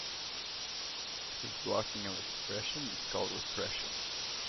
This blocking of expression is called repression.